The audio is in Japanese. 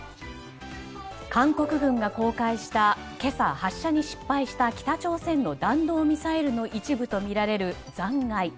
韓国軍が公開した今朝、発射に失敗した北朝鮮の弾道ミサイルの一部とみられる残骸。